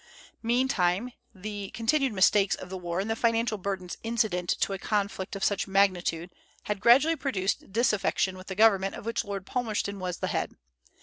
Meantime, the continued mistakes of the war and the financial burdens incident to a conflict of such magnitude had gradually produced disaffection with the government of which Lord Palmerston was the head.